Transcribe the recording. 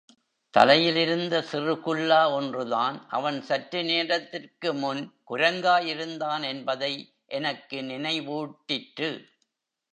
தலையில் இருந்த சிறுகுல்லா ஒன்றுதான் அவன் சற்று நேரத்திற்கு முன் குரங்காயிருந்தான் என்பதை எனக்கு நினைவூட்டிற்று.